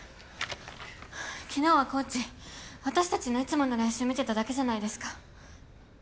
昨日はコーチ私たちのいつもの練習見てただけじゃないですか。